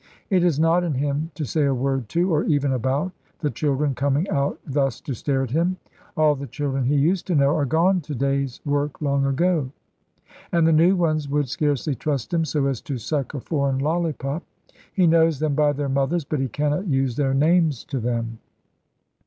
It is not in him to say a word to, or even about, the children coming out thus to stare at him. All the children he used to know are gone to day's work long ago; and the new ones would scarcely trust him so as to suck a foreign lollipop. He knows them by their mothers; but he cannot use their names to them.